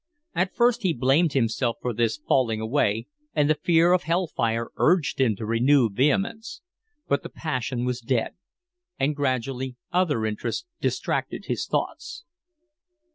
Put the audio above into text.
At first he blamed himself for this falling away, and the fear of hell fire urged him to renewed vehemence; but the passion was dead, and gradually other interests distracted his thoughts.